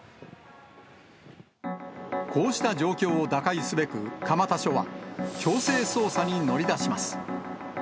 こうした状況を打開すべく蒲田署は、強制捜査に乗り出します。